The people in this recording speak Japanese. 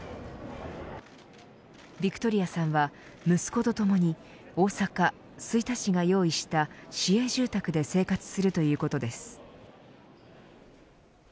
ヴィクトリアさんは息子とともに大阪、吹田市が用意した市営住宅で生活するということです。